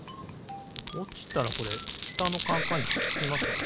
おちたらこれしたのカンカンにくっつきますよね。